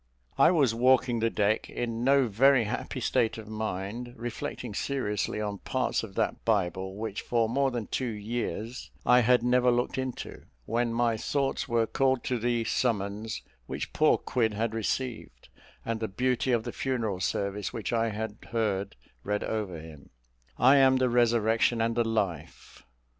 I was walking the deck, in no very happy state of mind, reflecting seriously on parts of that Bible which for more than two years I had never looked into, when my thoughts were called to the summons which poor Quid had received, and the beauty of the funeral service which I had heard read over him "I am the resurrection and the life."